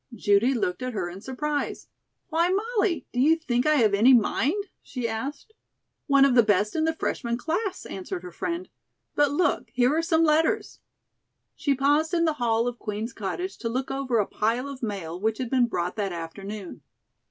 Judy looked at her in surprise. "Why, Molly, do you think I have any mind?" she asked. "One of the best in the freshman class," answered her friend. "But look, here are some letters!" She paused in the hall of Queen's Cottage to look over a pile of mail which had been brought that afternoon.